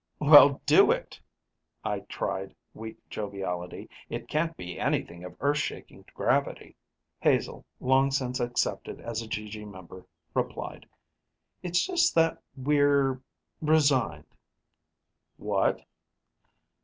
"Well, do it!" I tried weak joviality: "It can't be anything of earth shaking gravity." Hazel, long since accepted as a GG member, replied, "It's just that we're ... resigned." "_What?